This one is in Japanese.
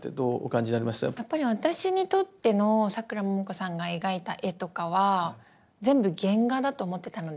やっぱり私にとってのさくらももこさんが描いた絵とかは全部原画だと思ってたので。